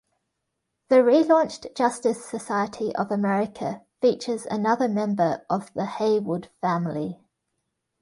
The relaunched "Justice Society of America" features another member of the Heywood family.